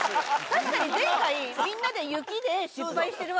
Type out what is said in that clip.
確かに前回みんなで雪で失敗してるわけじゃないですか。